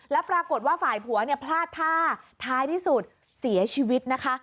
แล้วปรากฏว่าฝ่ายผัวเนี่ยพลาดท่าท้ายที่สุดเสียชีวิตนะคะ